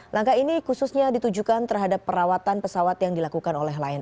langkah ini khususnya ditujukan terhadap perawatan pesawat yang dilakukan